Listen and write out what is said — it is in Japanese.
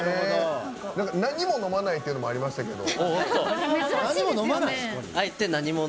何も飲まないっていうのがありましたけど。